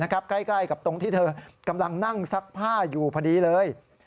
ใกล้กับตรงที่เธอกำลังนั่งซักผ้าอยู่พอดีเลย